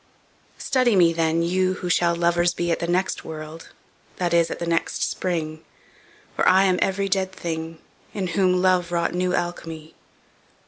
Study me then, you who shall lovers bee At the next world, that is, at the next Spring: For I am every dead thing, In whom love wrought new Alchimie.